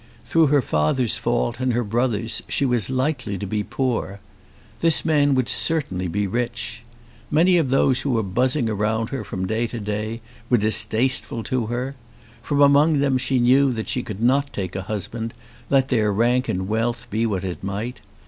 Through her father's fault, and her brother's, she was likely to be poor. This man would certainly be rich. Many of those who were buzzing around her from day to day, were distasteful to her. From among them she knew that she could not take a husband, let their rank and wealth be what it might.